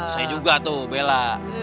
saya juga tuh bella